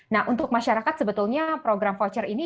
nah untuk masyarakat sebetulnya program voucher ini